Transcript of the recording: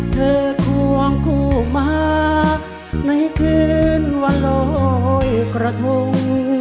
เธอควองคู่มาในคืนวรรลอยกระทง